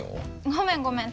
ごめんごめん。